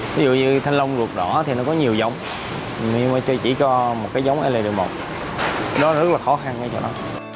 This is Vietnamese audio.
ví dụ như thanh long ruột đỏ thì nó có nhiều giống nhưng mà chỉ có một cái giống ld một đó rất là khó khăn với chỗ đó